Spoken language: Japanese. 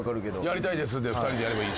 やりたいですで２人でやればいいし。